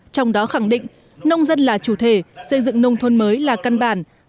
trong đó khẳng định nông dân là chủ thể xây dựng nông thôn mới là căn bản